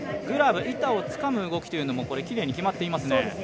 グラブ、板をつかむ動きもきれいに決まっていますね。